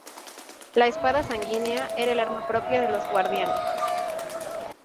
La "espada sanguínea" era el arma propia de los guardianes.